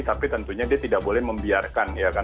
tapi tentunya dia tidak boleh membiarkan ya kan